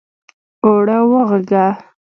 اوړه واغږه!